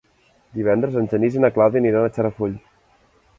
Divendres en Genís i na Clàudia aniran a Xarafull.